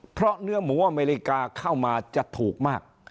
เพราะเนื้อหมูอเมริกาเข้ามาจะถูกมาก